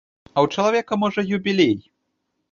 А ў чалавека, можа, юбілей!